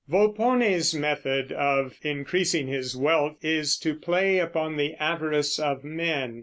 Volpone's method of increasing his wealth is to play upon the avarice of men.